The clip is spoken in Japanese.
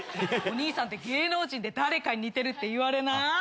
お兄さんって芸能人で誰かに似てるって言われない？